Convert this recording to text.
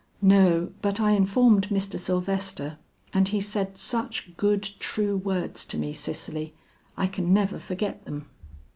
"No, but I informed Mr. Sylvester, and he said such good, true words to me, Cicely. I can never forget them."